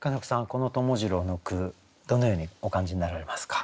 この友次郎の句どのようにお感じになられますか？